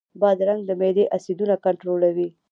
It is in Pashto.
بادرنګ د معدې اسیدونه کنټرولوي.